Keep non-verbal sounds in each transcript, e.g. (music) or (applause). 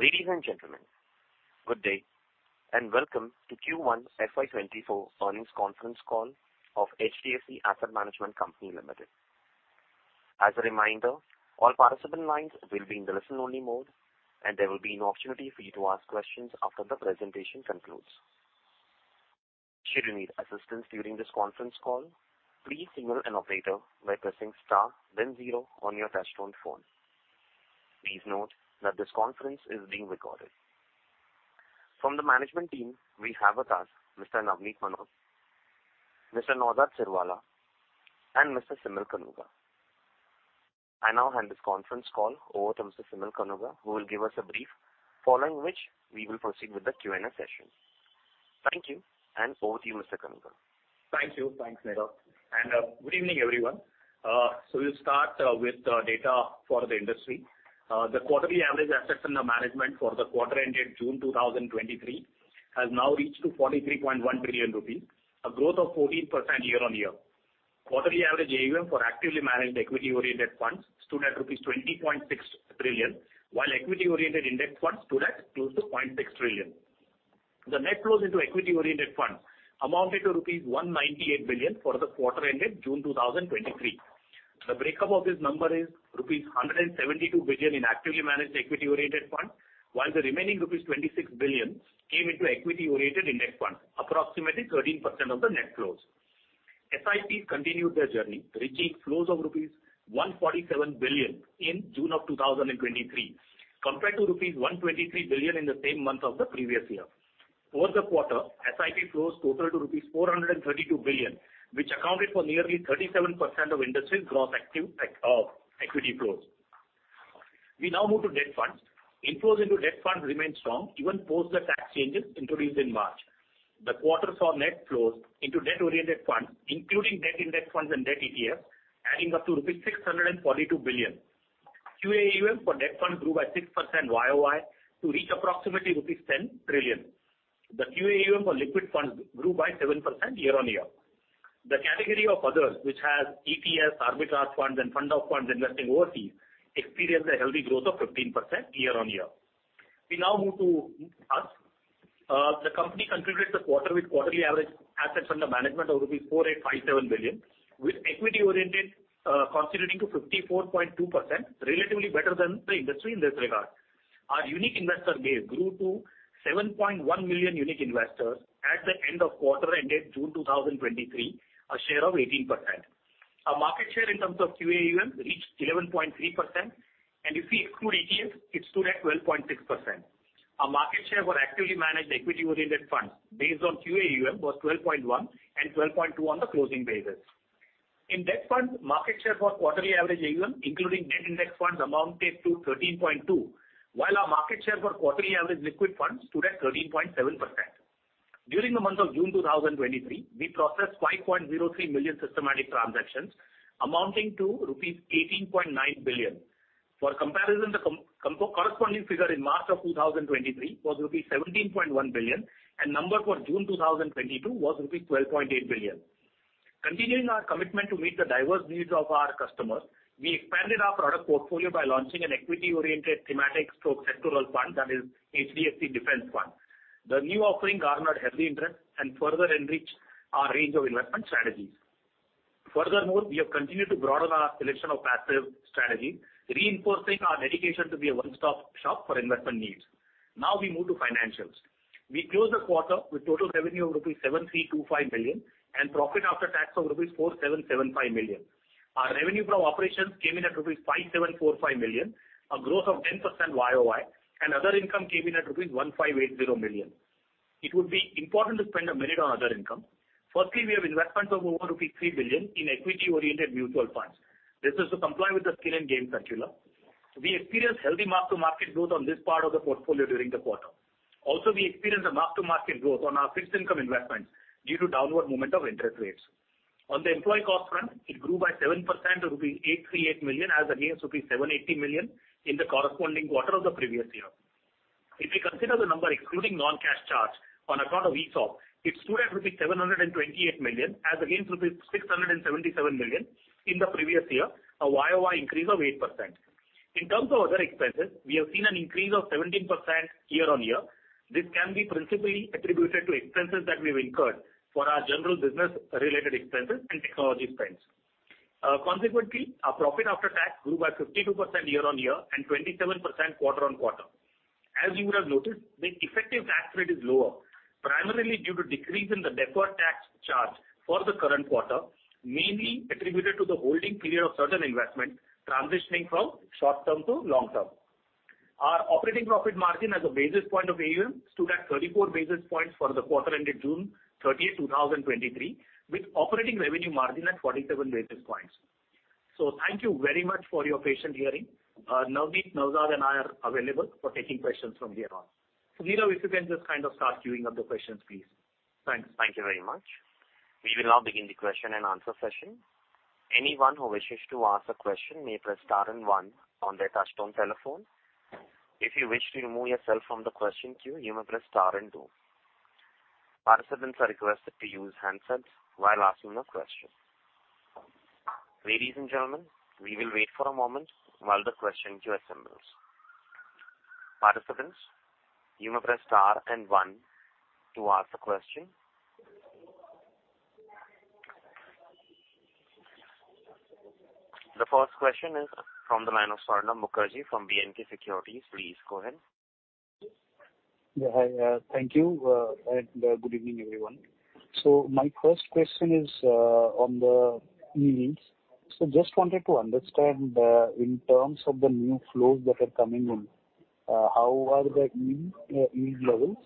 Ladies and gentlemen, good day, and welcome to Q1 FY 24 earnings conference call of HDFC Asset Management Company Limited. As a reminder, all participant lines will be in the listen-only mode, and there will be an opportunity for you to ask questions after the presentation concludes. Should you need assistance during this conference call, please signal an operator by pressing star then zero on your touchtone phone. Please note that this conference is being recorded. From the management team, we have with us Mr. Navneet Munot, Mr. Naozad Sirwalla, and Mr. Simal Kanuga. I now hand this conference call over to Mr. Simal Kanuga, who will give us a brief, following which we will proceed with the Q&A session. Thank you, and over to you, Mr. Kanuga. Thank you. Thanks, Neerav. Good evening, everyone. We'll start with the data for the industry. The quarterly average assets under management for the quarter ended June 2023, has now reached to 43.1 billion rupees, a growth of 14% year-on-year. Quarterly average AUM for actively managed equity-oriented funds stood at rupees 20.6 trillion, while equity-oriented index funds stood at close to 0.6 trillion. The net flows into equity-oriented funds amounted to rupees 198 billion for the quarter ended June 2023. The breakup of this number is rupees 172 billion in actively managed equity-oriented funds, while the remaining rupees 26 billion came into equity-oriented index funds, approximately 13% of the net flows. SIPs continued their journey, reaching flows of rupees 147 billion in June 2023, compared to rupees 123 billion in the same month of the previous year. Over the quarter, SIP flows totaled to rupees 432 billion, which accounted for nearly 37% of industry's gross active equity flows. We now move to debt funds. Inflows into debt funds remained strong, even post the tax changes introduced in March. The quarter saw net flows into debt-oriented funds, including debt index funds and debt ETFs, adding up to rupees 642 billion. QAUM for debt funds grew by 6% YoY, to reach approximately rupees 10 trillion. The QAUM for liquid funds grew by 7% year-on-year. The category of others, which has ETFs, arbitrage funds, and fund of funds investing overseas, experienced a healthy growth of 15% year-on-year. We now move to us. The company contributed the quarter with quarterly average assets under management of 4,857 billion, with equity-oriented constituting to 54.2%, relatively better than the industry in this regard. Our unique investor base grew to 7.1 million unique investors at the end of quarter ended June 2023, a share of 18%. Our market share in terms of QAUM reached 11.3%, and if we exclude ETFs, it stood at 12.6%. Our market share for actively managed equity-oriented funds, based on QAUM, was 12.1% and 12.2% on the closing basis. In debt funds, market share for quarterly average AUM, including debt index funds, amounted to 13.2%, while our market share for quarterly average liquid funds stood at 13.7%. During the month of June 2023, we processed 5.03 million systematic transactions, amounting to rupees 18.9 billion. For comparison, the corresponding figure in March of 2023 was rupees 17.1 billion, and number for June 2022 was rupees 12.8 billion. Continuing our commitment to meet the diverse needs of our customers, we expanded our product portfolio by launching an equity-oriented thematic stock sectoral fund, that is HDFC Defense Fund. The new offering garnered healthy interest and further enriched our range of investment strategies. Furthermore, we have continued to broaden our selection of passive strategies, reinforcing our dedication to be a one-stop shop for investment needs. Now we move to financials. We closed the quarter with total revenue of rupees 7.325 billion and profit after tax of rupees 4,775 million. Our revenue from operations came in at rupees 5,745 million, a growth of 10% YoY, and other income came in at rupees 1,580 million. It would be important to spend a minute on other income. Firstly, we have investments of over rupees 3 billion in equity-oriented mutual funds. This is to comply with the Skin in the Game Circular. We experienced healthy mark-to-market growth on this part of the portfolio during the quarter. Also, we experienced a mark-to-market growth on our fixed income investments due to downward movement of interest rates. On the employee cost front, it grew by 7% to rupees 838 million, as against rupees 780 million in the corresponding quarter of the previous year. If we consider the number, excluding non-cash charge on account of ESOP, it stood at rupees 728 million, as against rupees 677 million in the previous year, a YoY increase of 8%. In terms of other expenses, we have seen an increase of 17% year-on-year. This can be principally attributed to expenses that we've incurred for our general business-related expenses and technology spends. Consequently, our profit after tax grew by 52% year-on-year and 27% quarter-on-quarter. As you would have noticed, the effective tax rate is lower, primarily due to decrease in the deferred tax charge for the current quarter, mainly attributed to the holding period of certain investments transitioning from short term to long term. Our operating profit margin as a basis point of AUM stood at 34 basis points for the quarter ended June thirtieth, 2023, with operating revenue margin at 47 basis points. Thank you very much for your patient hearing. Navneet, Naozad, and I are available for taking questions from here on. Neerav, if you can just kind of start queuing up the questions, please. Thanks. Thank you very much. We will now begin the question-and-answer session. Anyone who wishes to ask a question may press star and one on their touchtone telephone. If you wish to remove yourself from the question queue, you may press star and two. Participants are requested to use handsets while asking a question. Ladies and gentlemen, we will wait for a moment while the question queue assembles. Participants, you may press star and one to ask a question. The first question is from the line of Swarnabha Mukherjee from B&K Securities. Please go ahead. Hi, thank you. Good evening, everyone. My first question is on the yields. Just wanted to understand, in terms of the new flows that are coming in, how are the yield levels?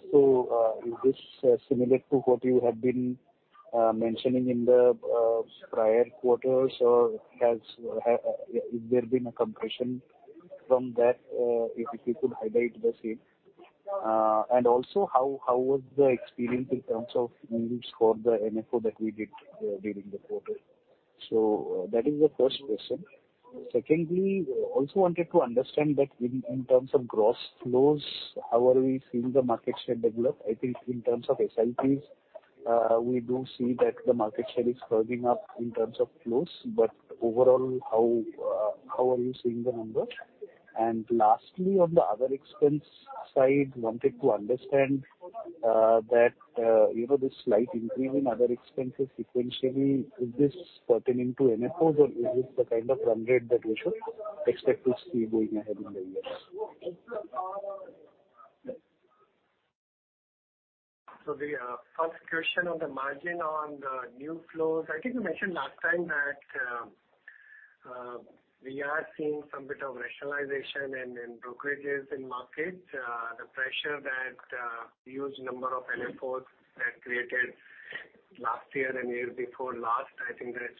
Is this similar to what you have been mentioning in the prior quarters, or has there been a compression from that? If you could highlight the same. How was the experience in terms of yields for the NFO that we did during the quarter? That is the first question. Secondly, also wanted to understand that in terms of gross flows, how are we seeing the market share develop? I think in terms of SIPs, we do see that the market share is curving up in terms of flows, but overall, how are you seeing the numbers? Lastly, on the other expense side, wanted to understand, that, you know, this slight increase in other expenses sequentially, is this pertaining to NFOs, or is this the kind of run rate that we should expect to see going ahead in the y+ears? The first question on the margin on the new flows. I think we mentioned last time that we are seeing some bit of rationalization in brokerages in market. The pressure that huge number of NFOs that created last year and year before last, I think that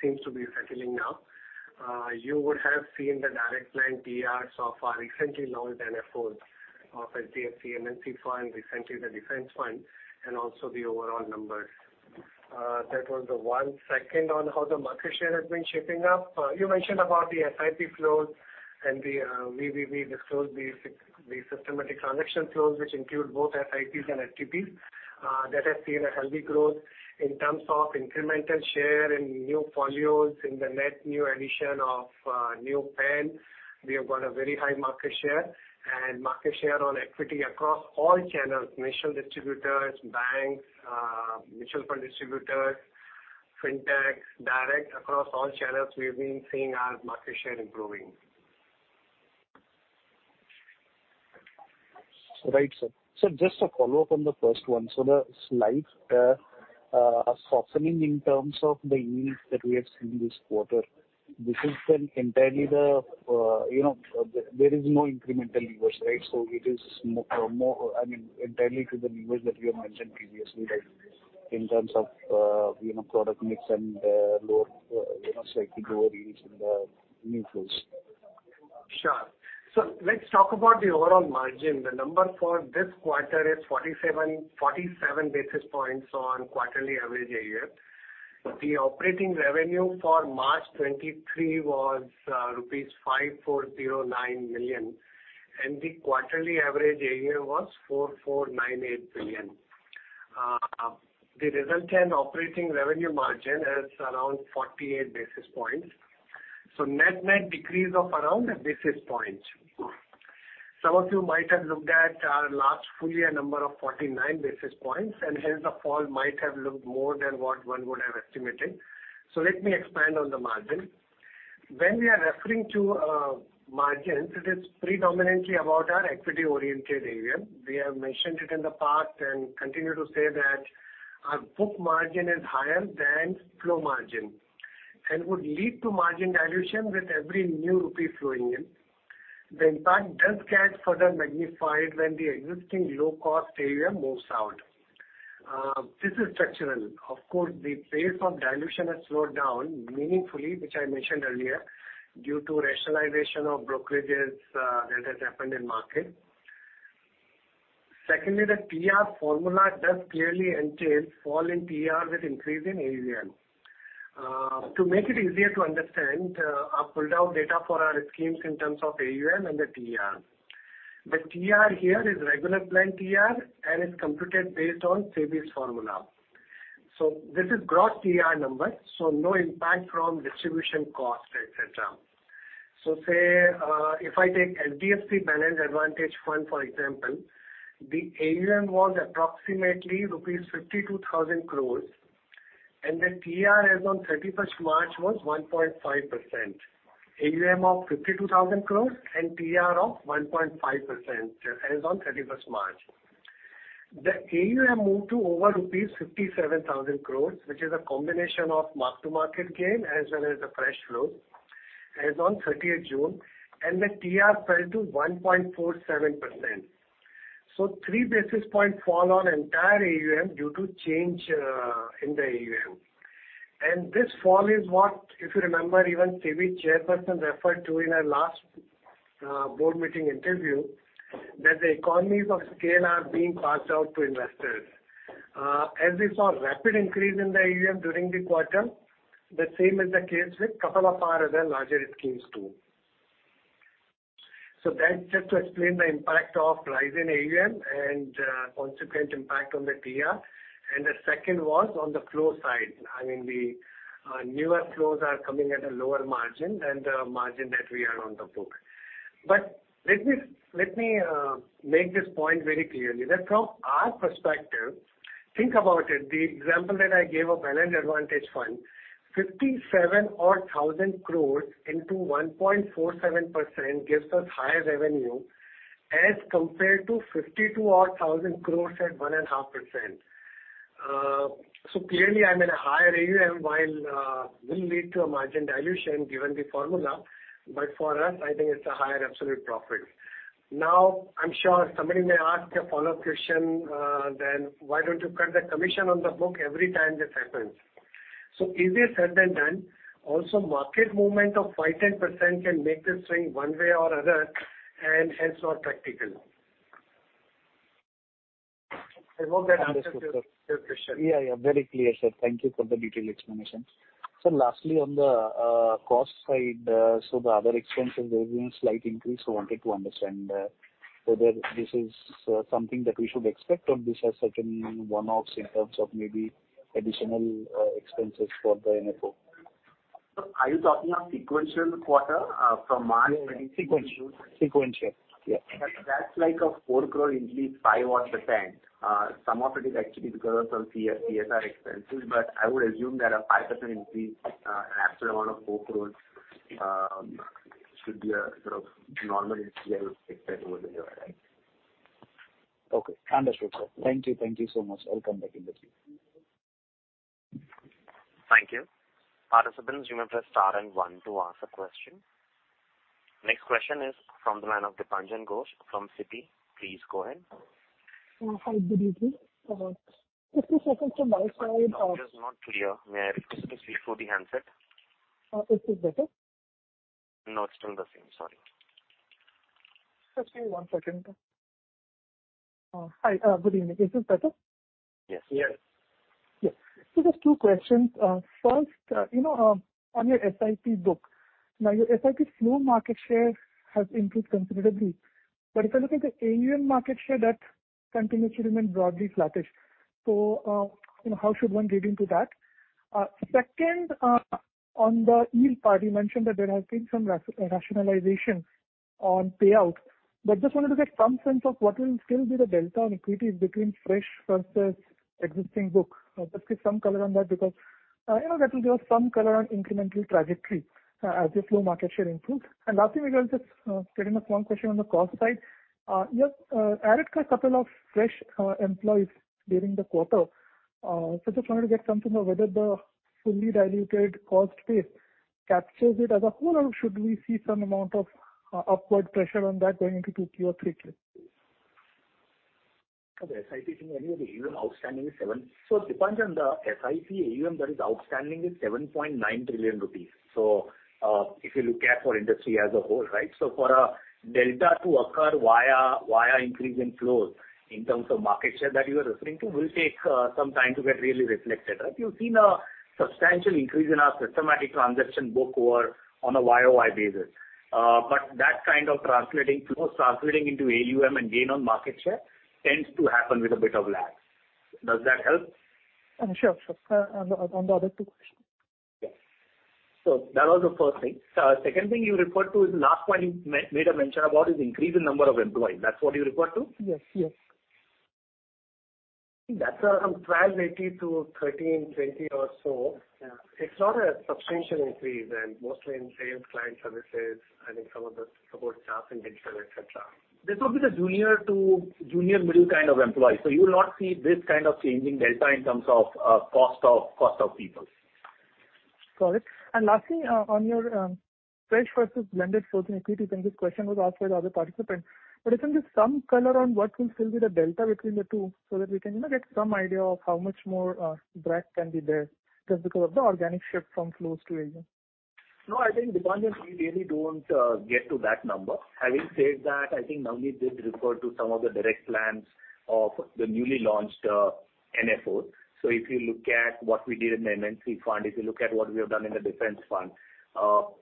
seems to be settling now. You would have seen the direct line TR so far, recently launched NFOs of HDFC MNC Fund, recently the Defence fund, and also the overall numbers. That was the one. Second, on how the market share has been shaping up. You mentioned about the SIP flows and the we disclosed the systematic transaction flows, which include both SIPs and STPs. That has seen a healthy growth in terms of incremental share in new folios, in the net new addition of new PAN. We have got a very high market share, and market share on equity across all channels, mutual distributors, banks, mutual fund distributors, fintech, direct, across all channels, we have been seeing our market share improving. Right, sir. Just a follow-up on the first one. The slight softening in terms of the yields that we have seen this quarter, this is an entirely the, you know, there is no incremental universe, right? It is more, I mean, entirely to the universe that you have mentioned previously, right, in terms of, you know, product mix and lower, you know, slightly lower yields in the new flows. Sure. Let's talk about the overall margin. The number for this quarter is 47 basis points on quarterly average AUM. The operating revenue for March 2023 was rupees 5,409 million, and the quarterly average AUM was 4,498 billion. The resultant operating revenue margin is around 48 basis points, net-net decrease of around a basis point. Some of you might have looked at our last full year number of 49 basis points, hence the fall might have looked more than what one would have estimated. Let me expand on the margin. When we are referring to margins, it is predominantly about our equity-oriented AUM. We have mentioned it in the past and continue to say that our book margin is higher than flow margin and would lead to margin dilution with every new rupee flowing in. The impact does get further magnified when the existing low-cost AUM moves out. This is structural. Of course, the pace of dilution has slowed down meaningfully, which I mentioned earlier, due to rationalization of brokerages that has happened in market. Secondly, the TR formula does clearly entail fall in TR with increase in AUM. To make it easier to understand, I've pulled out data for our schemes in terms of AUM and the TR. The TR here is regular plan TR and is computed based on SEBI's formula. This is gross TR number, so no impact from distribution cost, et cetera. Say, if I take HDFC Balanced Advantage Fund, for example, the AUM was approximately rupees 52,000 crores, and the TR as on 31st March was 1.5%. AUM of 52,000 crores and TR of 1.5%, as on 31st March. The AUM moved to over rupees 57,000 crores, which is a combination of mark-to-market gain as well as the fresh flow, as on 30th June, and the TR fell to 1.47%. 3 basis point fall on entire AUM due to change in the AUM. And this fall is what, if you remember, even SEBI chairperson referred to in our last board meeting interview, that the economies of scale are being passed out to investors. As we saw rapid increase in the AUM during the quarter, the same is the case with couple of our other larger schemes, too. That's just to explain the impact of rise in AUM and consequent impact on the TR. The second was on the flow side. I mean, the newer flows are coming at a lower margin than the margin that we are on the book. Let me make this point very clearly, that from our perspective, think about it, the example that I gave of HDFC Balanced Advantage Fund, 57,000 crores into 1.47% gives us higher revenue as compared to 52,000 crores at 1.5%. Clearly, I'm in a higher AUM, while will lead to a margin dilution given the formula, but for us, I think it's a higher absolute profit. Now, I'm sure somebody may ask a follow-up question, why don't you cut the commission on the book every time this happens? Easier said than done. Also, market movement of 5%, 10% can make this swing one way or other, and hence, not practical. I hope that answers your question. Yeah, yeah, very clear, Sir. Thank you for the detailed explanation. Sir, lastly, on the cost side, so the other expenses, there's been a slight increase. I wanted to understand whether this is something that we should expect or this is such an one-offs in terms of maybe additional expenses for the NFO? Are you talking of sequential quarter, from March 2022? Sequential. Sequential, yes. That's like a 4 crore increase, 5 odd percent. Some of it is actually because of TER expenses, I would assume that a 5% increase, an absolute amount of INR 4 crores, should be a sort of normal increase I would expect over here, right? Okay, understood, sir. Thank you. Thank you so much. I'll come back in the queue. Thank you. Participants, you may press star and one to ask a question. Next question is from the line of Dipanjan Ghosh from Citi. Please go ahead. Hi, good evening. 60 seconds to my side. It is not clear. May I request you to speak through the handset? Is this better? No, it's still the same. Sorry. Just give me one second. Hi, good evening. Is this better? Yes, yes. Yes. Just two questions. First, you know, on your SIP book, now, your SIP flow market share has improved considerably, but if I look at the AUM market share, that continuously remains broadly flattish. You know, how should one read into that? Second, on the yield part, you mentioned that there has been some rationalization on payout, but just wanted to get some sense of what will still be the delta on equity between fresh versus existing book. Just give some color on that, because, you know, that will give us some color on incremental trajectory, as your flow market share improves. Lastly, I was just getting a strong question on the cost side. You have added a couple of fresh employees during the quarter. Just wanted to get some sense of whether the fully diluted cost base captures it as a whole, or should we see some amount of upward pressure on that going into Q2 or Q3? Of the SIP, anyway, the AUM outstanding is 7. Dipanjan, the SIP AUM that is outstanding is 7.9 trillion rupees. If you look at for industry as a whole, right? For a delta to occur via increase in flows in terms of market share that you are referring to, will take some time to get really reflected, right? You've seen a substantial increase in our systematic transaction book or on a YoY basis. That kind of translating flow, translating into AUM and gain on market share tends to happen with a bit of lag. Does that help? Sure, sure. On the other two questions. Yes. That was the first thing. Second thing you referred to is the last point you made a mention about is increase in number of employees. That's what you referred to? Yes, yes. That's from 1,280 to 1,320 or so. Yeah. It's not a substantial increase. Mostly in sales, client services, I think some of the support staff and internal, et cetera. This will be the junior to junior, middle kind of employees. You will not see this kind of changing delta in terms of cost of people. Got it. Lastly, on your fresh versus blended flow in equity, I think this question was asked by the other participant, but if you give some color on what will still be the delta between the two, so that we can, you know, get some idea of how much more breadth can be there, just because of the organic shift from flows to AUM. No, I think, Dipanjan, we really don't get to that number. Having said that, I think Navin did refer to some of the direct plans of the newly launched NFO. So if you look at what we did in the MNC Fund, if you look at what we have done in the Defence Fund,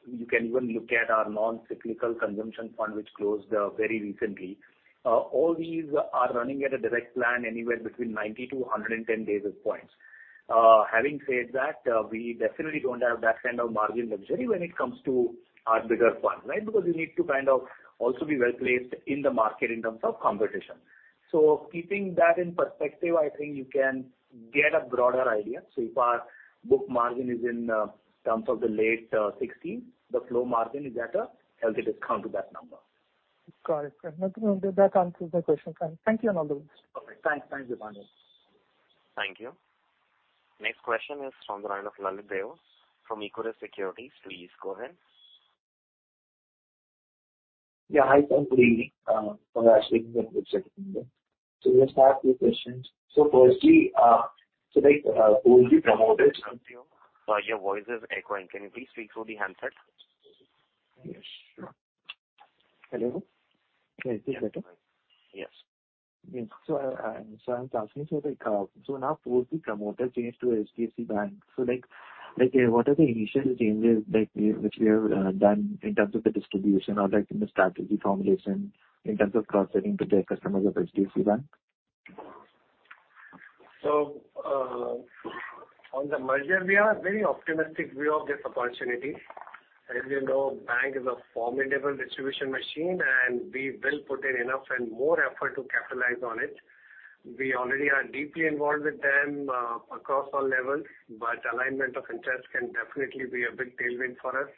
you can even look at our Non-Cyclical Consumption Fund, which closed very recently. All these are running at a direct plan anywhere between 90-110 basis points. Having said that, we definitely don't have that kind of margin luxury when it comes to our bigger fund, right? Because we need to kind of also be well-placed in the market in terms of competition. So keeping that in perspective, I think you can get a broader idea. If our book margin is in terms of the late 16, the flow margin is at a healthy discount to that number. Got it. That answers my question. Thank you, and all the best. Okay, thanks. Thank you, Dipanjan. Thank you. Next question is from the line of Lalit Deo from Equirus Securities. Please go ahead. Yeah, hi, good evening, Ashok, just have two questions. Firstly, like, will you promote? Sir, your voice is echoing. Can you please speak through the handset? Yes, sure. Hello? Is this better? Yes. Yes, I'm talking to, like, so now post the promoter change to HDFC Bank. Like, what are the initial changes, like, which we have done in terms of the distribution or like in the strategy formulation, in terms of cross-selling to their customers of HDFC Bank? On the merger, we are very optimistic view of this opportunity. As you know, Bank is a formidable distribution machine, and we will put in enough and more effort to capitalize on it. We already are deeply involved with them across all levels, but alignment of interest can definitely be a big tailwind for us.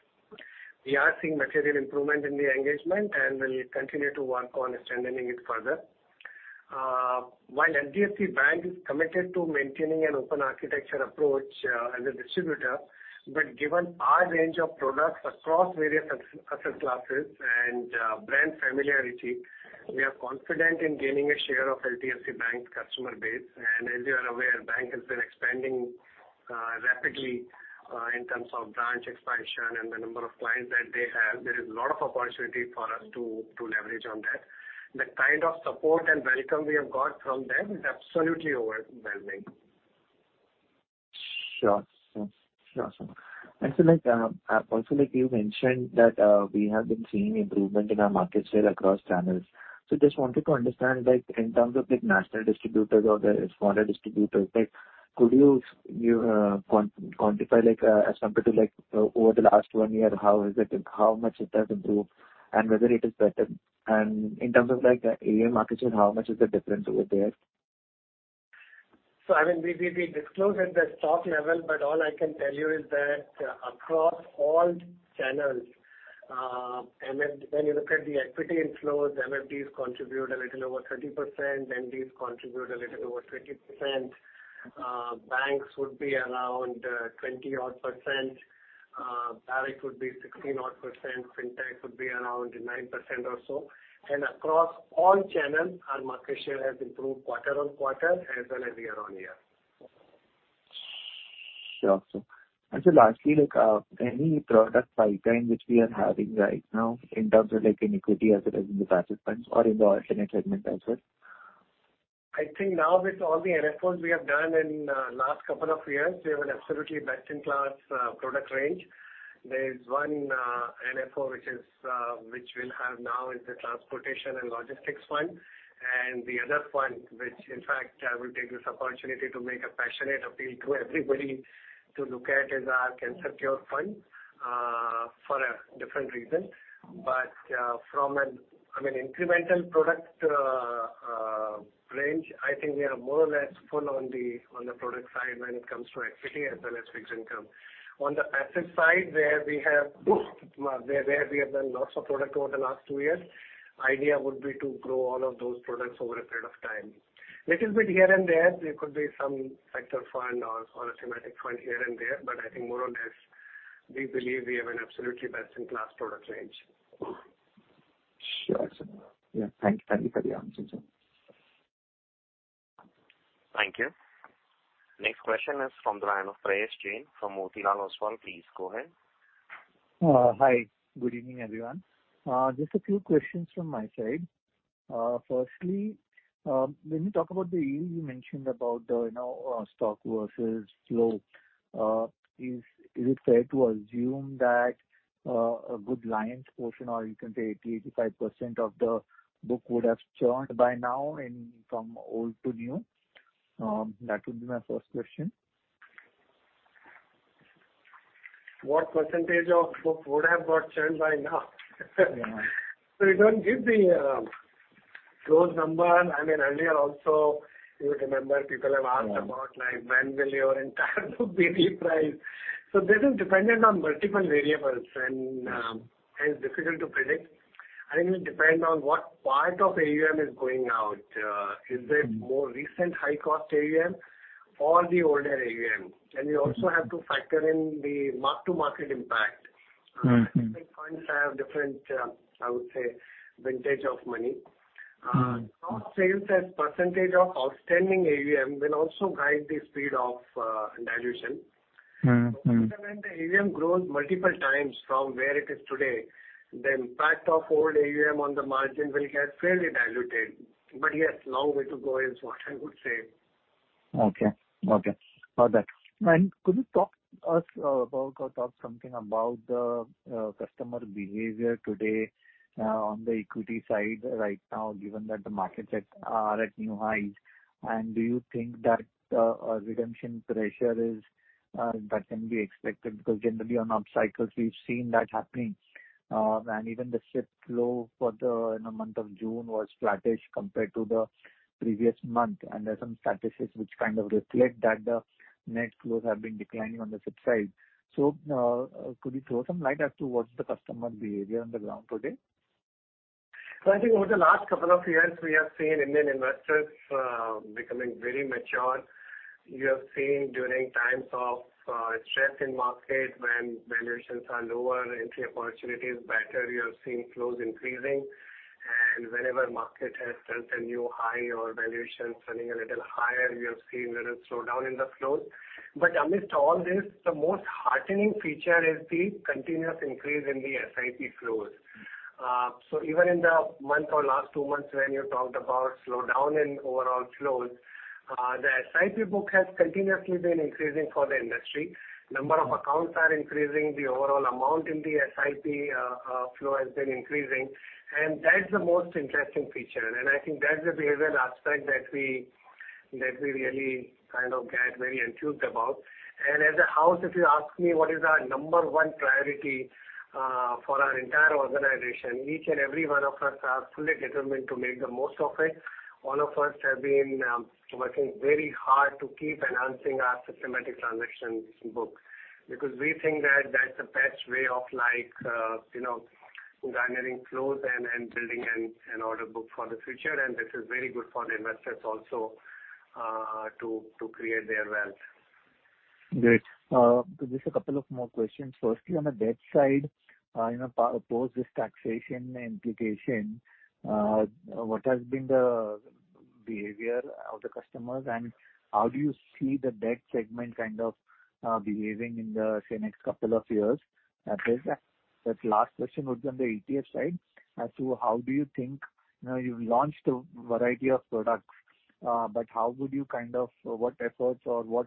We are seeing material improvement in the engagement, and we'll continue to work on strengthening it further. While HDFC Bank is committed to maintaining an open architecture approach, as a distributor, but given our range of products across various asset classes and brand familiarity, we are confident in gaining a share of HDFC Bank customer base. As you are aware, Bank has been expanding rapidly in terms of branch expansion and the number of clients that they have. There is a lot of opportunity for us to leverage on that. The kind of support and welcome we have got from them is absolutely overwhelming. Sure, sure. Sure, sir. Like, also, like you mentioned that we have been seeing improvement in our market share across channels. Just wanted to understand, like, in terms of like national distributors or the smaller distributors, like, could you quantify, like, as compared to, like, over the last one year, how is it and how much it has improved, and whether it is better? In terms of, like, the AUM market share, how much is the difference over there? I mean, we disclosed at the stock level, but all I can tell you is that across all channels, and when you look at the equity inflows, MFDs contribute a little over 30%, MDs contribute a little over 20%. Banks would be around 20 odd percent, Barrick would be 16 odd percent, fintech would be around 9% or so. Across all channels, our market share has improved quarter-on-quarter as well as year-on-year. Sure, sir. Lastly, like, any product pipeline which we are having right now in terms of like in equity as well as in the passive funds or in the alternate segment as well? I think now with all the NFOs we have done in last couple of years, we have an absolutely best-in-class product range. There is one NFO, which is which we'll have now is the Transportation and Logistics Fund. The other fund, which in fact, I will take this opportunity to make a passionate appeal to everybody to look at, is our Cancer Cure Fund for a different reason. From an, I mean, incremental product range, I think we are more or less full on the product side when it comes to equity as well as fixed income. On the asset side, where we have done lots of product over the last 2 years, idea would be to grow all of those products over a period of time. Little bit here and there could be some factor fund or a thematic fund here and there, but I think more or less, we believe we have an absolutely best-in-class product range. Sure. Yeah. Thank you for the answer, sir. Thank you. Next question is from the line of Prayesh Jain from Motilal Oswal. Please go ahead. Hi, good evening, everyone. Just a few questions from my side. Firstly, when you talk about the yield, you mentioned about the, you know, stock versus flow. Is it fair to assume that a good lion's portion, or you can say 80%-85% of the book would have churned by now in from old to new? That would be my first question. What % of book would have got churned by now? Yeah. We don't give the growth number. I mean, earlier also, you remember people have asked... Yeah... about, like, when will your entire book be repriced? This is dependent on multiple variables, and it's difficult to predict. I think it depend on what part of AUM is going out. Is it more recent high-cost AUM or the older AUM? Mm-hmm. You also have to factor in the mark-to-market impact. Mm-hmm. Like, funds have different, I would say, vintage of money. Cross-sales as % of outstanding AUM will also guide the speed of dilution. Mm-hmm. The AUM grows multiple times from where it is today. The impact of old AUM on the margin will get fairly diluted. Yes, long way to go is what I would say. Okay, okay. Got that. Could you talk us about or talk something about the customer behavior today on the equity side right now, given that the markets are at new highs? Do you think that a redemption pressure is that can be expected? Generally on upcycles, we've seen that happening, and even the SIP flow for the, in the month of June was flattish compared to the previous month. There are some statistics which kind of reflect that the net flows have been declining on the SIP side. Could you throw some light as to what's the customer behavior on the ground today? I think over the last couple of years, we have seen Indian investors, becoming very mature. We have seen during times of stress in market, when valuations are lower, entry opportunity is better, we have seen flows increasing. Whenever market has touched a new high or valuation turning a little higher, we have seen a little slowdown in the flows. Amidst all this, the most heartening feature is the continuous increase in the SIP flows. So even in the month or last two months, when you talked about slowdown in overall flows, the SIP book has continuously been increasing for the industry. Number of accounts are increasing, the overall amount in the SIP, flow has been increasing, and that's the most interesting feature. I think that we really kind of get very enthused about. As a house, if you ask me, what is our number one priority, for our entire organization, each and every one of us are fully determined to make the most of it. All of us have been working very hard to keep enhancing our systematic transactions book, because we think that that's the best way of, like, you know, generating flows and building an order book for the future. This is very good for the investors also, to create their wealth. Great. Just a couple of more questions. Firstly, on the debt side, you know, post this taxation implication, what has been the behavior of the customers, and how do you see the debt segment kind of behaving in the, say, next couple of years? The last question would be on the ETF side. As to how do you think... Now, you've launched a variety of products, but how would you kind of or what efforts or what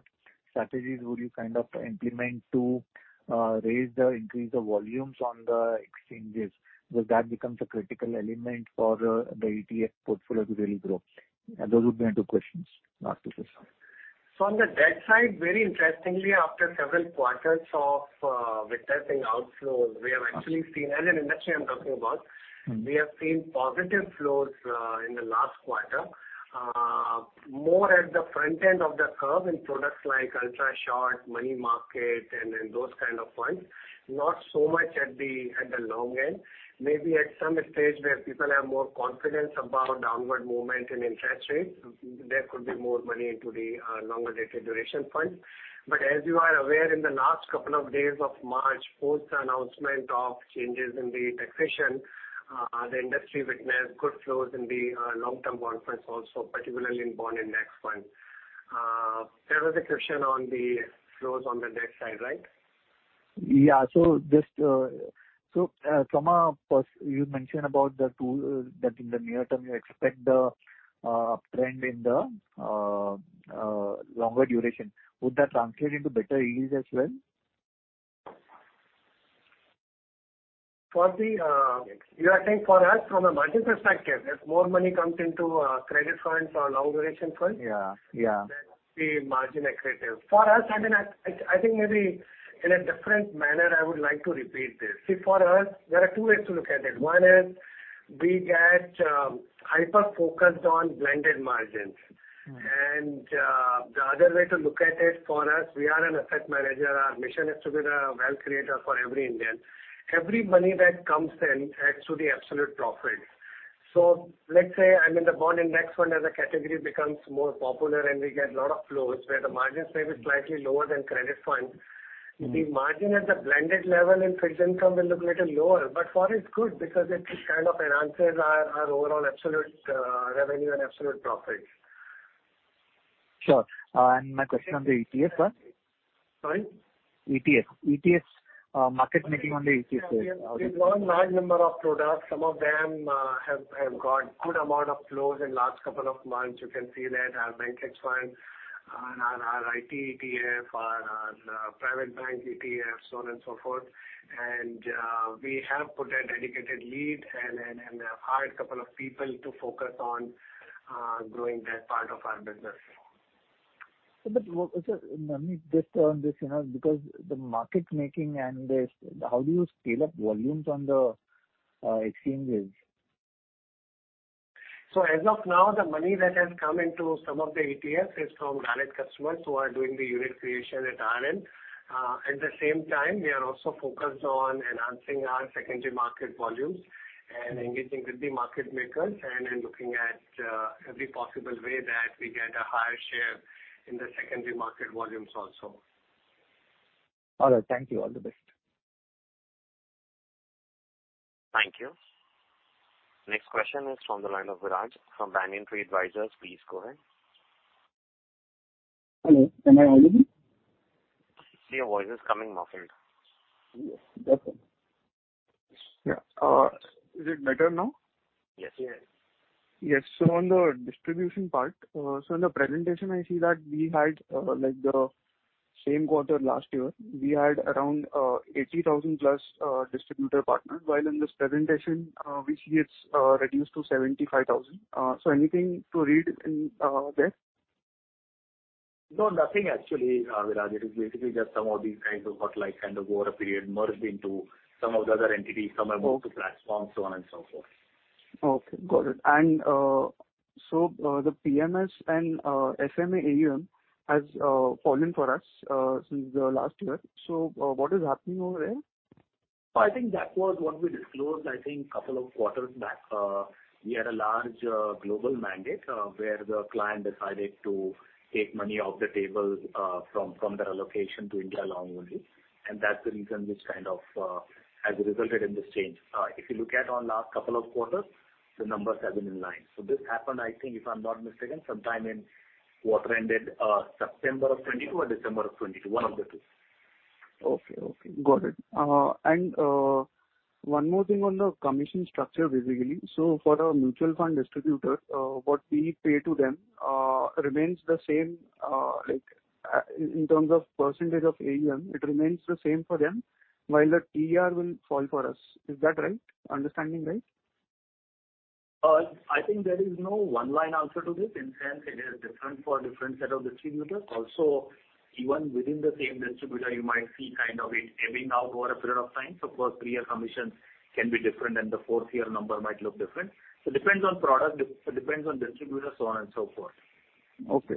strategies would you kind of implement to raise the, increase the volumes on the exchanges? Because that becomes a critical element for the ETF portfolio to really grow. Those would be my two questions, sir. On the debt side, very interestingly, after several quarters of witnessing outflows, we have actually seen, as an industry, I'm talking about. Mm-hmm. We have seen positive flows in the last quarter. More at the front end of the curve in products like ultra short, money market, and those kind of funds. Not so much at the long end. Maybe at some stage where people have more confidence about downward movement in interest rates, there could be more money into the longer-dated duration funds. As you are aware, in the last couple of days of March, post the announcement of changes in the taxation, the industry witnessed good flows in the long-term bond funds also, particularly in bond index fund. There was a question on the flows on the debt side, right? Yeah. Just from a you mentioned about the 2 that in the near term, you expect the uptrend in the longer duration. Would that translate into better yields as well? For the, you are saying for us, from a margin perspective, if more money comes into, credit funds or long duration funds? Yeah. Yeah. That the margin accretive. For us, I mean, I think maybe in a different manner, I would like to repeat this. See, for us, there are two ways to look at it. One is we get hyper-focused on blended margins. Mm-hmm. The other way to look at it, for us, we are an asset manager. Our mission is to be the wealth creator for every Indian. Every money that comes in adds to the absolute profit. Let's say, I mean, the bond index fund as a category becomes more popular, and we get a lot of flows, where the margins may be slightly lower than credit funds. Mm-hmm. The margin at the blended level in fixed income will look little lower, but for us, good, because it kind of enhances our overall absolute revenue and absolute profit. Sure. My question on the ETFs, sir? Sorry? ETFs. ETFs, market making on the ETFs. We've got large number of products. Some of them have got good amount of flows in last couple of months. You can see that our bank funds and our IT ETF, our private bank ETF, so on and so forth. We have put a dedicated lead and hired a couple of people to focus on growing that part of our business. Sir, let me just on this, you know, because the market making and this, how do you scale up volumes on the exchanges? As of now, the money that has come into some of the ETFs is from direct customers who are doing the unit creation at RTA. At the same time, we are also focused on enhancing our secondary market volumes and engaging with the market makers, and then looking at every possible way that we get a higher share in the secondary market volumes also. All right. Thank you. All the best. Thank you. Next question is from the line of Viraj from Banyan Tree Advisors. Please go ahead. Hello, am I audible? Your voice is coming muffled. Yes. Okay. Yeah, is it better now? Yes, it is. Yes. On the distribution part, in the presentation, I see that we had, like the same quarter last year, we had around 80,000 plus, distributor partners, while in this presentation, we see it's, reduced to 75,000. Anything to read in, there? No, nothing, actually, Viraj. It is basically just some of these kinds of what, like, kind of over a period, merged into some of the other entities, some have moved to platforms, so on and so forth. Okay, got it. So, the PMS and SMA AUM has fallen for us since the last year. What is happening over there? I think that was what we disclosed, I think, couple of quarters back. We had a large, global mandate, where the client decided to take money off the table, from the allocation to India along with it, and that's the reason which kind of has resulted in this change. If you look at our last couple of quarters, the numbers have been in line. This happened, I think, if I'm not mistaken, sometime in quarter ended September of 22 or December of 22, one of the two. Okay, okay, got it. 1 more thing on the commission structure basically. For our mutual fund distributor, what we pay to them, remains the same, like, in terms of percentage of AUM, it remains the same for them, while the TER will fall for us. Is that right? Understanding right? I think there is no one line answer to this, in sense it is different for different set of distributors. Even within the same distributor, you might see kind of it ebbing out over a period of time. First three-year commission can be different than the fourth year number might look different. It depends on product, it depends on distributor, so on and so forth. Okay.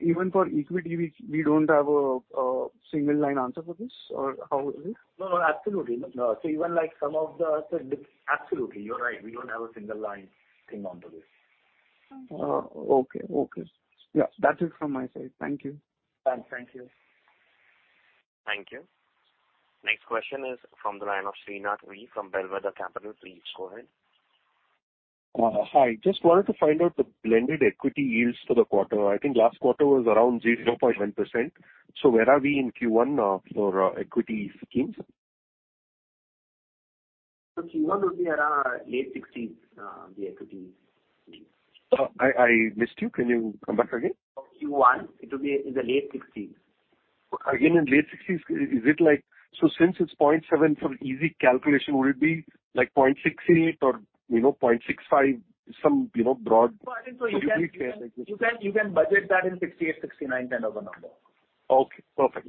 Even for equity, we don't have a single line answer for this or how is it? No, absolutely. No, Absolutely, you're right, we don't have a single line thing on to this. okay. Yeah, that's it from my side. Thank you. Thank you. Thank you. Next question is from the line of Srinath V from Belvedere Capital. Please go ahead. Hi. Just wanted to find out the blended equity yields for the quarter. I think last quarter was around 0.1%. Where are we in Q1 for equity schemes? Q1 would be around late sixties, the equity. I missed you. Can you come back again? Q1, it will be in the late sixties. In late 60s, is it like, since it's 0.7, for easy calculation, would it be like 0.68 or, you know, 0.65, some, you know, broad? You can budget that in 68, 69 kind of a number. Perfect.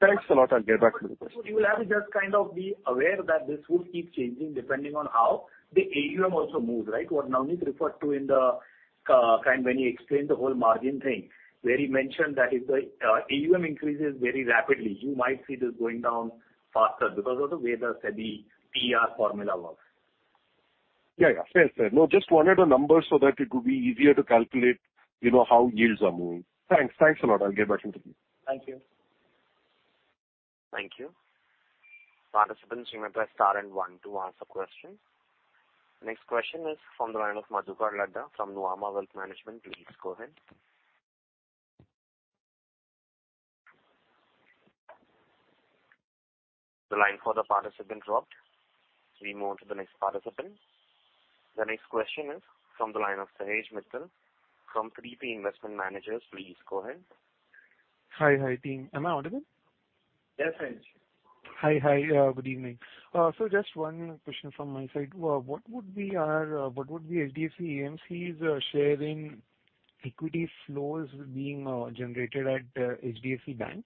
Thanks a lot. I'll get back to you. You will have to just kind of be aware that this would keep changing depending on how the AUM also moves, right? What Navneet referred to in the kind when he explained the whole margin thing, where he mentioned that if the AUM increases very rapidly, you might see this going down faster because of the way the SEBI TER formula works. Yeah, yeah. Fair, fair. No, just wanted a number so that it would be easier to calculate, you know, how yields are moving. Thanks. Thanks a lot. I'll get back to you. Thank you. Thank you. Participants, you may press star and 1 to ask a question. Next question is from the line of Madhukar Ladha from Nuvama Wealth Management. Please go ahead. The line for the participant dropped, so we move on to the next participant. The next question is from the line of Sahej Mittal from 3P Investment Managers. Please go ahead. Hi, hi, team. Am I audible? Yes, Sahej. Hi, hi, good evening. Just one question from my side. What would be our, what would be HDFC AMC's, share in equity flows being, generated at, HDFC Bank?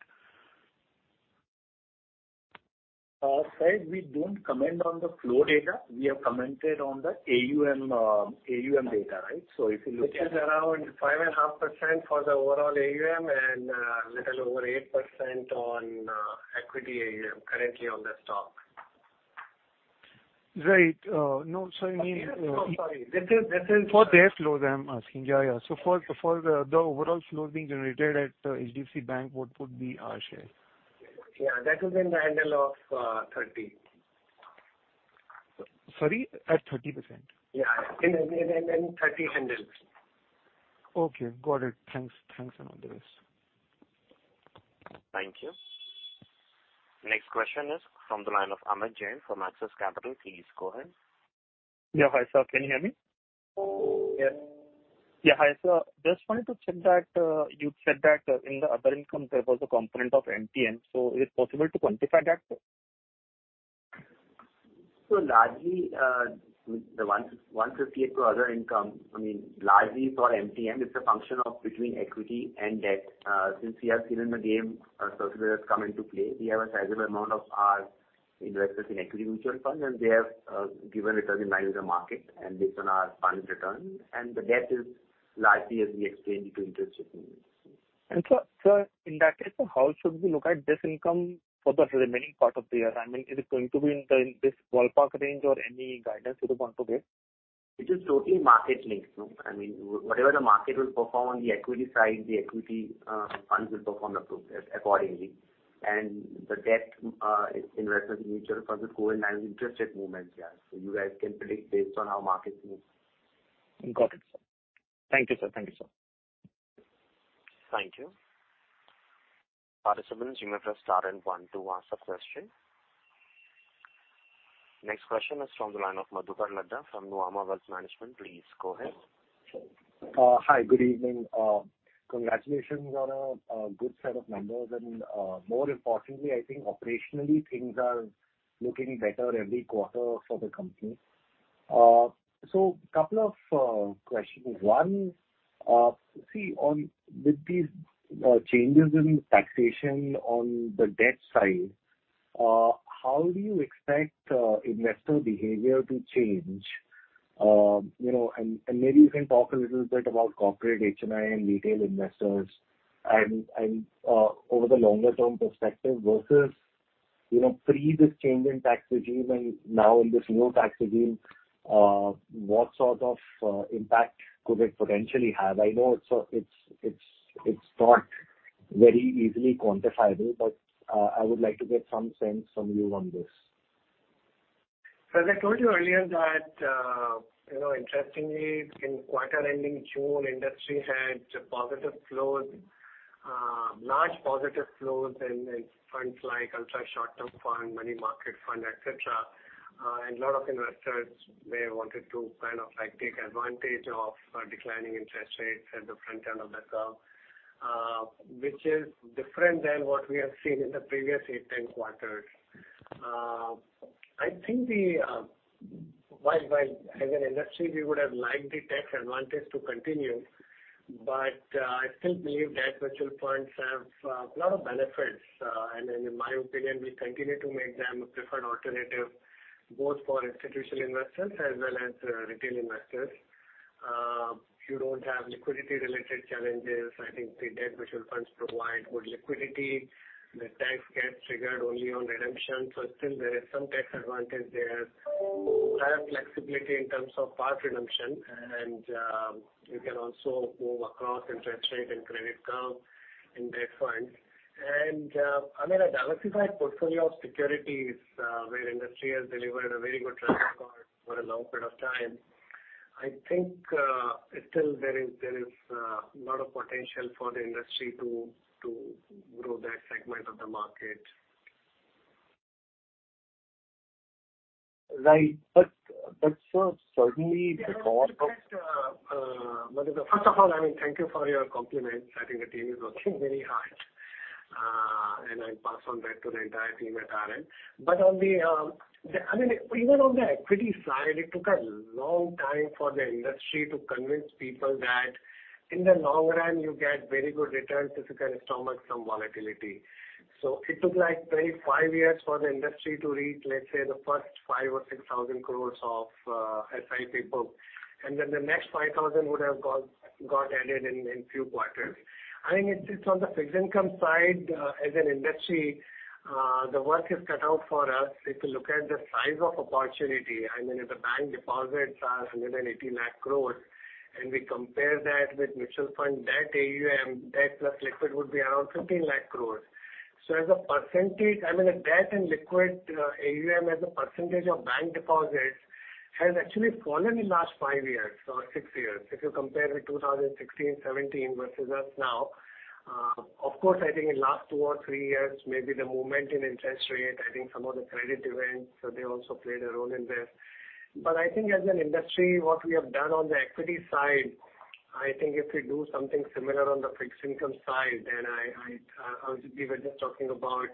Sahej, we don't comment on the flow data. We have commented on the AUM data, right? Which is around 5.5% for the overall AUM and, little over 8% on, equity AUM currently on the stock. Right. No, so. Oh, sorry. That is. For their flow, I'm asking. Yeah, yeah. For the overall flow being generated at HDFC Bank, what would be our share? Yeah, that is in the handle of 30. Sorry, at 30%? Yeah, in the 30 handle. Okay, got it. Thanks. Thanks a lot for this. Thank you. Next question is from the line of Amit Jain from Axis Capital. Please go ahead. Yeah. Hi, sir, can you hear me? Yes. Yeah. Hi, sir. Just wanted to check that, you said that, in the other income there was a component of MTM, is it possible to quantify that, sir? Largely, the one to other income, I mean, largely for MTM, it's a function of between equity and debt. Since we have Skin in the Game, services come into play, we have a sizable amount of our investors in equity mutual funds, and they have given return in line with the market and based on our fund return, and the debt is largely as we exchange it to interest movements. Sir, in that case, so how should we look at this income for the remaining part of the year? I mean, is it going to be in this ballpark range or any guidance you would want to give? It is totally market linked, no. I mean, whatever the market will perform on the equity side, the equity funds will perform up to accordingly. The debt investment in mutual funds will go in line with interest rate movements, yeah. You guys can predict based on how market moves. Got it, sir. Thank you, sir. Thank you, sir. Thank you. Participants, you may press star and one to ask a question. Next question is from the line of Madhukar Ladha from Nuvama Wealth Management. Please go ahead. Hi, good evening. Congratulations on a good set of numbers and more importantly, I think operationally, things are looking better every quarter for the company. Couple of questions. One, see on with these changes in taxation on the debt side, how do you expect investor behavior to change? You know, and maybe you can talk a little bit about corporate HNI and retail investors and over the longer term perspective versus, you know, pre this change in tax regime and now in this new tax regime, what sort of impact could it potentially have? I know it's not very easily quantifiable, but I would like to get some sense from you on this. As I told you earlier that, you know, interestingly, in quarter ending June, industry had positive flows, large positive flows in funds like ultra short-term fund, money market fund, et cetera. A lot of investors, they wanted to kind of, like, take advantage of, declining interest rates at the front end of the curve, which is different than what we have seen in the previous 8, 10 quarters. While as an industry, we would have liked the tax advantage to continue, but I still believe debt mutual funds have a lot of benefits. In my opinion, we continue to make them a preferred alternative, both for institutional investors as well as retail investors. You don't have liquidity-related challenges. I think the debt mutual funds provide good liquidity. The tax gets triggered only on redemption, still there is some tax advantage there. They have flexibility in terms of part redemption, you can also move across interest rate and credit curve in debt funds. I mean, a diversified portfolio of securities, where industry has delivered a very good track record for a long period of time. I think, still there is a lot of potential for the industry to grow that segment of the market. Right. Sir, certainly First of all, I mean, thank you for your compliments. I think the team is working very hard, and I pass on that to the entire team at RL. I mean, even on the equity side, it took a long time for the industry to convince people that in the long run, you get very good returns if you can stomach some volatility. It took, like, 25 years for the industry to reach, let's say, the first 5,000 or 6,000 crores of SIP book, and then the next 5,000 would have got added in few quarters. I mean, it's on the fixed income side, as an industry, the work is cut out for us. If you look at the size of opportunity, I mean, if the bank deposits are 180 lakh crores, and we compare that with mutual fund debt AUM, debt plus liquid would be around 15 lakh crores. As a percentage, I mean, the debt and liquid AUM as a percentage of bank deposits has actually fallen in last 5 years or 6 years, if you compare with 2016, 2017 versus us now. Of course, I think in last 2 or 3 years, maybe the movement in interest rate, I think some of the credit events, so they also played a role in this. I think as an industry, what we have done on the equity side, I think if we do something similar on the fixed income side, then I, we were just talking about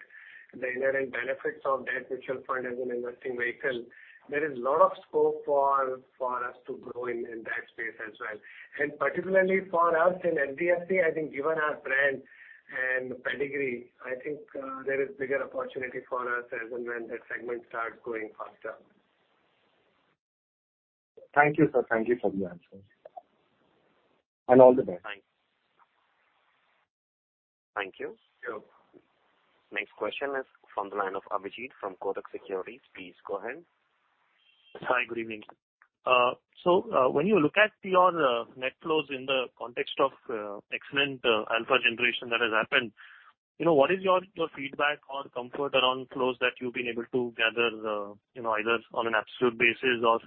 the inherent benefits of debt mutual fund as an investing vehicle. There is a lot of scope for us to grow in that space as well. Particularly for us in HDFC, I think given our brand and pedigree, I think there is bigger opportunity for us as and when that segment starts growing faster. Thank you, sir. Thank you for the answers. All the best. Thanks. Thank you. Sure. Next question is from the line of Abhijit from Kotak Securities. Please go ahead. Hi, good evening. When you look at your net flows in the context of excellent alpha generation that has happened, you know, what is your feedback or comfort around flows that you've been able to gather, you know, either on an absolute basis or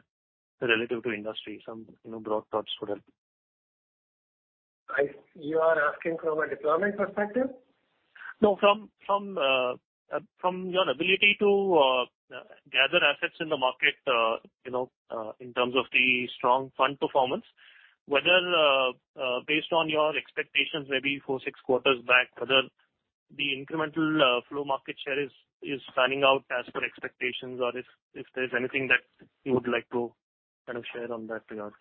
relative to industry? Some, you know, broad thoughts would help. You are asking from a deployment perspective? No, from your ability to gather assets in the market, you know, in terms of the strong fund performance, whether based on your expectations, maybe 4, 6 quarters back, whether the incremental flow market share is panning out as per expectations or if there's anything that you would like to kind of share on that regard.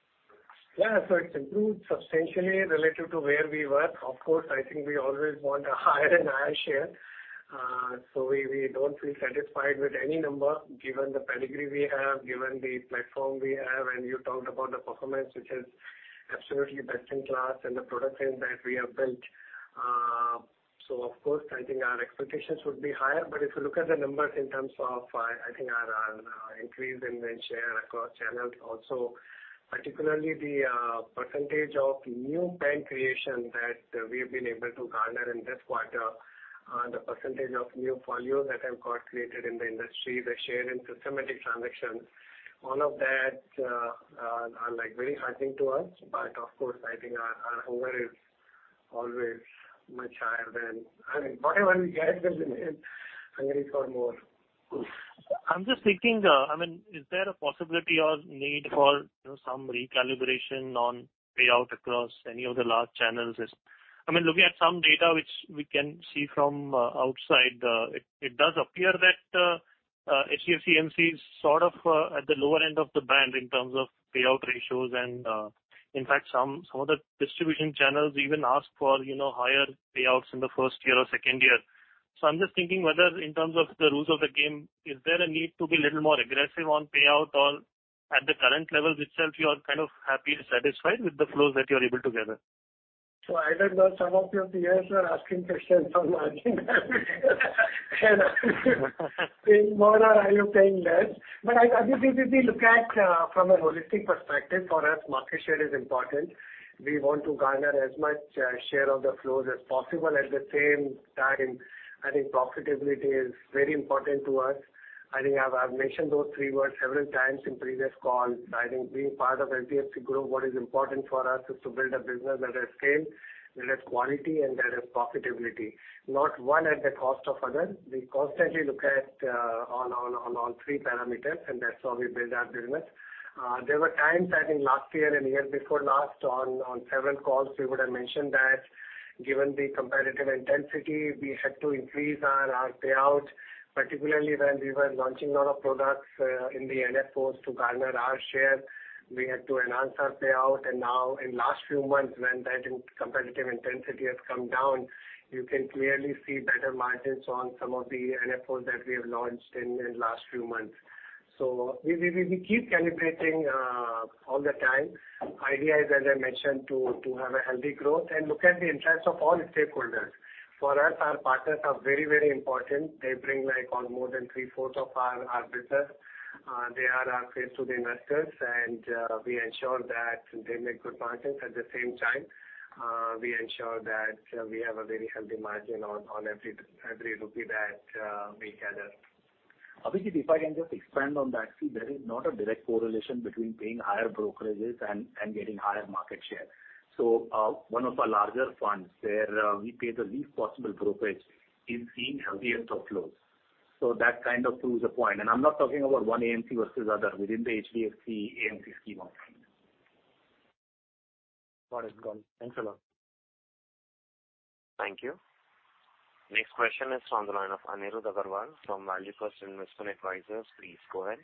It's improved substantially relative to where we were. Of course, I think we always want a higher and higher share. We don't feel satisfied with any number, given the pedigree we have, given the platform we have, and you talked about the performance, which is absolutely best in class, and the product range that we have built. Of course, I think our expectations would be higher. If you look at the numbers in terms of, I think our increase in share across channels also, particularly the percentage of new bank creation that we have been able to garner in this quarter, the percentage of new folios that have got created in the industry, the share in systematic transactions, all of that are, like, very heartening to us. Of course, I think our hunger is always much higher than. I mean, whatever we get, I'm ready for more. I'm just thinking, I mean, is there a possibility or need for, you know, some recalibration on payout across any of the large channels? I mean, looking at some data which we can see from outside, it does appear that HDFC AMC is sort of at the lower end of the band in terms of payout ratios. In fact, some of the distribution channels even ask for, you know, higher payouts in the first year or second year. I'm just thinking whether in terms of the rules of the game, is there a need to be a little more aggressive on payout, or at the current levels itself, you are kind of happy and satisfied with the flows that you're able to gather? I don't know, some of your peers are asking questions on margin. Are you paying more or are you paying less? If you simply look at from a holistic perspective, for us, market share is important. We want to garner as much share of the flows as possible. At the same time, I think profitability is very important to us. I think I've mentioned those three words several times in previous calls. I think being part of HDFC Group, what is important for us is to build a business that has scale, that has quality and that has profitability, not one at the cost of other. We constantly look at on three parameters, that's how we build our business. There were times, I think last year and the year before last, on several calls, we would have mentioned that given the competitive intensity, we had to increase our payout, particularly when we were launching a lot of products, in the NFOs to garner our share. We had to enhance our payout. Now in last few months, when I think competitive intensity has come down, you can clearly see better margins on some of the NFOs that we have launched in last few months. We keep calibrating all the time. Idea is, as I mentioned, to have a healthy growth and look at the interest of all stakeholders. For us, our partners are very, very important. They bring, like, on more than three-fourths of our business. They are our face to the investors, we ensure that they make good margins. At the same time, we ensure that we have a very healthy margin on every rupee that we gather. Obviously, if I can just expand on that. See, there is not a direct correlation between paying higher brokerages and getting higher market share. One of our larger funds, where we pay the least possible brokerage, is seeing healthier top flows. That kind of proves a point. I'm not talking about one AMC versus other, within the HDFC AMC scheme. Got it, gone. Thanks a lot. Thank you. Next question is from the line of Anirudh Agarwal from Valuequest Investment Advisors. Please go ahead.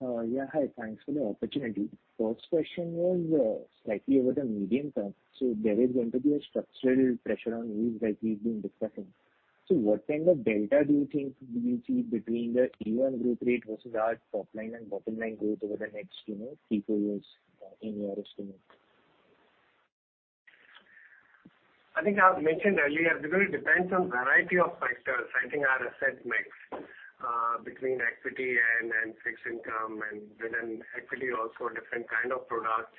Yeah, hi. Thanks for the opportunity. First question was slightly over the medium term. There is going to be a structural pressure on you, as we've been discussing. What kind of delta do you think do you see between the AUM growth rate versus our top line and bottom line growth over the next, you know, three, four years in your estimate? I think I've mentioned earlier, it really depends on variety of factors. I think our asset mix, between equity and fixed income and within equity, also different kind of products.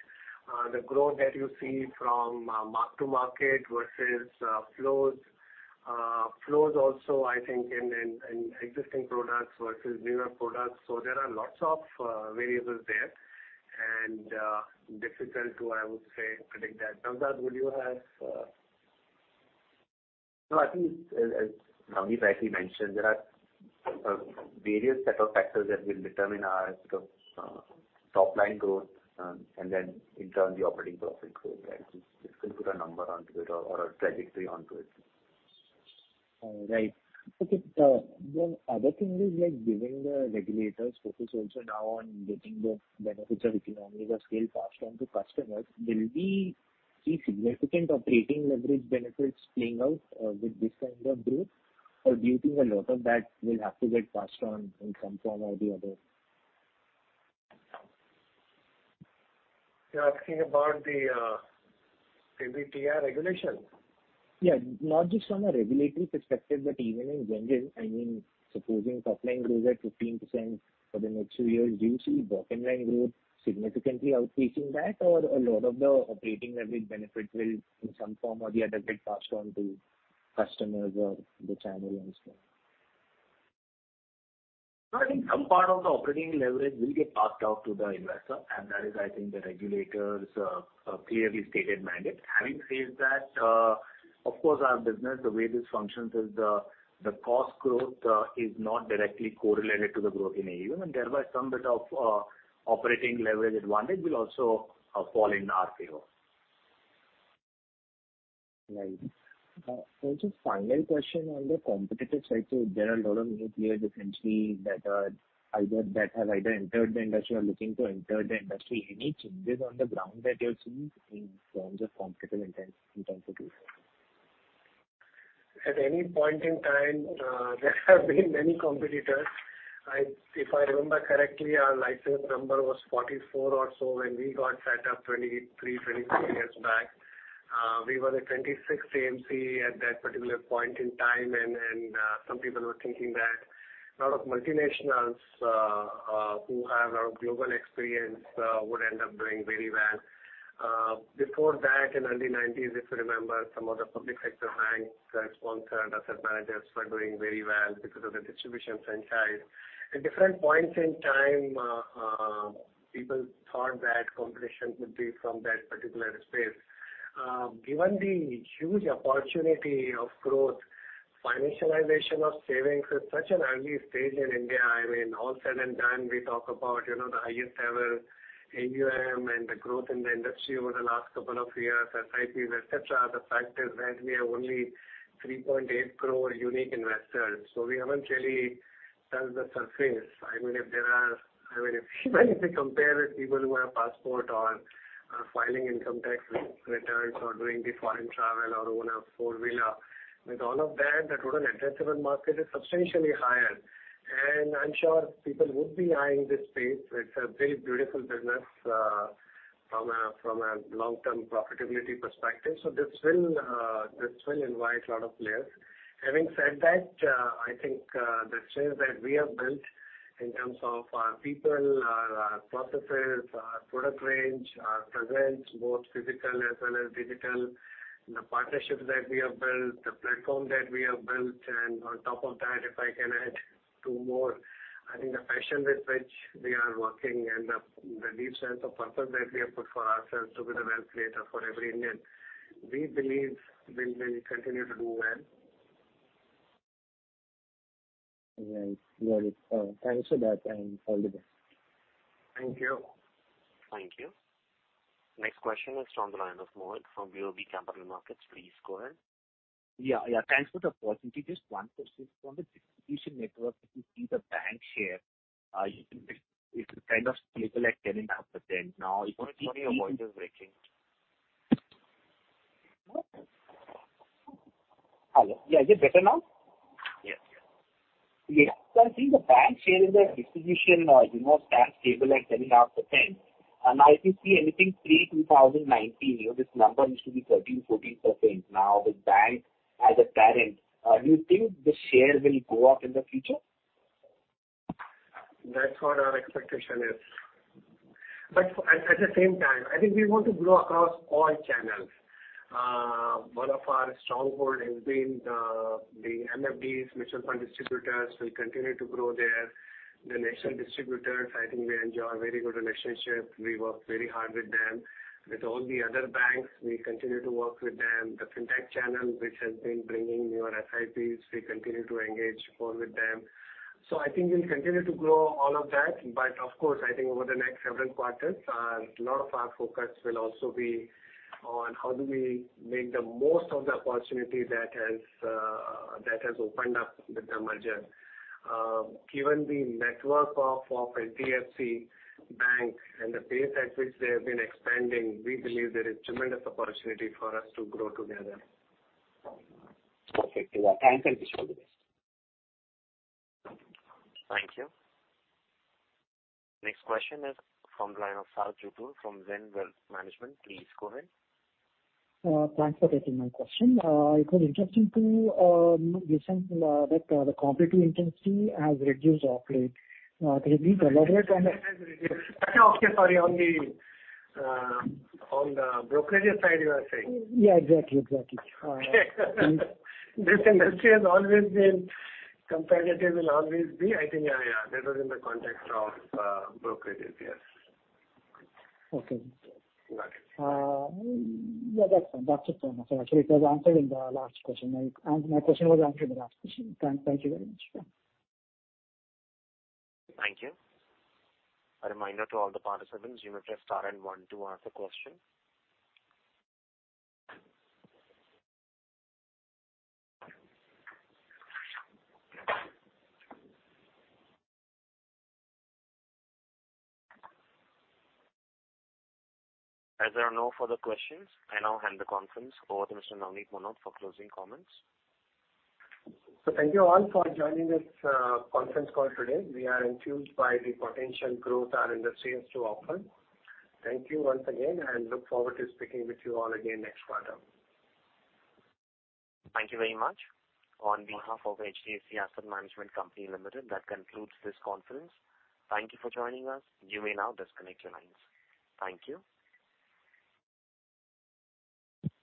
The growth that you see from, mark to market versus, flows. Flows also, I think in existing products versus newer products. There are lots of, variables there, and, difficult to, I would say, predict that. Kanuga, would you have...? No, I think as Nami rightly mentioned, there are various set of factors that will determine our sort of top line growth, and then in turn, the operating profit growth. It's difficult to put a number onto it or a trajectory onto it. The other thing is, like, given the regulators focus also now on getting the benefits of economy of scale passed on to customers, will we see significant operating leverage benefits playing out, with this kind of growth, or do you think a lot of that will have to get passed on in some form or the other? You're asking about the EBITDA regulation? Yeah. Not just from a regulatory perspective, but even in general. I mean, supposing top line grows at 15% for the next few years, do you see bottom line growth significantly outpacing that, or a lot of the operating leverage benefits will, in some form or the other, get passed on to customers or the channel and so on? No, I think some part of the operating leverage will get passed out to the investor, and that is, I think, the regulator's clearly stated mandate. Having said that, of course, our business, the way this functions is the cost growth is not directly correlated to the growth in AUM, and thereby some bit of operating leverage advantage will also fall in our favor. Right. Just final question on the competitive side. There are a lot of new players, essentially, that have either entered the industry or looking to enter the industry. Any changes on the ground that you're seeing in terms of competitive intensity, in terms of this? At any point in time, there have been many competitors. If I remember correctly, our license number was 44 or so when we got set up 23, 24 years back. We were the 26th AMC at that particular point in time, and some people were thinking that a lot of multinationals who have a global experience would end up doing very well. Before that, in early 1990s, if you remember, some of the public sector banks that sponsored asset managers were doing very well because of the distribution franchise. At different points in time, people thought that competition would be from that particular space. Given the huge opportunity of growth, financialization of savings is such an early stage in India. I mean, all said and done, we talk about, you know, the highest ever AUM and the growth in the industry over the last couple of years, SIPs, et cetera. The fact is that we have only 3.8 crore unique investors, so we haven't really touched the surface. I mean, if we compare with people who have passport or are filing income tax returns or doing the foreign travel or own a 4-wheeler, with all of that, the total addressable market is substantially higher. I'm sure people would be eyeing this space. It's a very beautiful business, from a, from a long-term profitability perspective. So this will, this will invite a lot of players. Having said that, I think the strength that we have built in terms of our people, our processes, our product range, our presence, both physical as well as digital, and the partnerships that we have built, the platform that we have built, and on top of that, if I can add two more, I think the passion with which we are working and the deep sense of purpose that we have put for ourselves to be the wealth creator for every Indian, we believe we will continue to do well. Right. Got it. Thanks for that, and all the best. Thank you. Thank you. Next question is from the line of Mohit from BOB Capital Markets. Please go ahead. Yeah, yeah, thanks for the opportunity. Just one question. From the distribution network, if you see the bank share, it's kind of stable at 10.5%. Mohit, your voice is breaking. Hello. Yeah, is it better now? Yes. Yeah. I think the bank share in the distribution, you know, stands stable at 10.5%. If you see anything pre-2019, you know, this number used to be 13%, 14%. The bank as a parent, do you think the share will go up in the future? That's what our expectation is. At the same time, I think we want to grow across all channels. One of our stronghold has been the MFDs, mutual fund distributors. We continue to grow there. The national distributors, I think we enjoy a very good relationship. We work very hard with them. With all the other banks, we continue to work with them. The fintech channel, which has been bringing newer SIPs, we continue to engage more with them. I think we'll continue to grow all of that, but of course, I think over the next several quarters, a lot of our focus will also be on how do we make the most of the opportunity that has opened up with the merger. Given the network of HDFC Bank and the pace at which they have been expanding, we believe there is tremendous opportunity for us to grow together. Perfect. Yeah. Thanks, and wish all the best. Thank you. Next question is from the line of (unintelligible) from Zen Wealth Management. Please go ahead. Thanks for taking my question. It was interesting to listen that the competitive intensity has reduced of late. Can you elaborate? Okay, sorry, on the on the brokerage side, you are saying? Yeah, exactly. This industry has always been competitive, it will always be. I think, yeah, that was in the context of brokerages. Yes. Okay. Got it. Yeah, that's it for me. Actually it was answered in the last question. My question was answered in the last question. Thank you very much. Thank you. A reminder to all the participants, you may press star and one to ask a question. As there are no further questions, I now hand the conference over to Mr. Navneet Munot for closing comments. Thank you all for joining this conference call today. We are enthused by the potential growth our industry has to offer. Thank you once again, look forward to speaking with you all again next quarter. Thank you very much. On behalf of HDFC Asset Management Company Limited, that concludes this conference. Thank you for joining us. You may now disconnect your lines. Thank you.